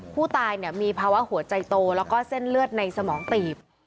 ผู้ตายมีภาวะหัวใจโตแล้วก็เส้นเลือดในสมองตีบ